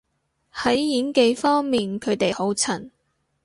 喺演技方面佢哋好襯